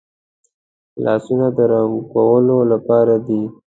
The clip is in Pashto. لاسونه د رنګولو لپاره دي